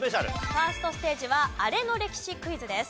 ファーストステージはアレの歴史クイズです。